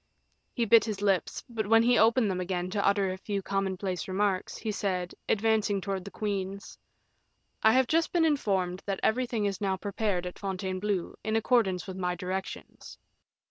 He bit his lips, but when he opened them again to utter a few commonplace remarks, he said, advancing towards the queens: "I have just been informed that everything is now prepared at Fontainebleau, in accordance with my directions."